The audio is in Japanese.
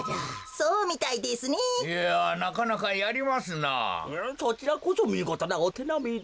そちらこそみごとなおてなみで。